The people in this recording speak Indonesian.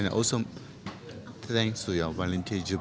dan juga terima kasih kepada penyelidikan anda